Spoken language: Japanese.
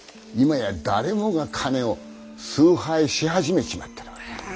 今や誰もが金を崇拝し始めちまっている。